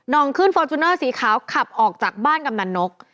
องขึ้นฟอร์จูเนอร์สีขาวขับออกจากบ้านกำนันนก